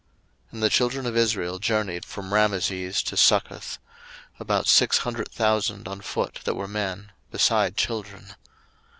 02:012:037 And the children of Israel journeyed from Rameses to Succoth, about six hundred thousand on foot that were men, beside children.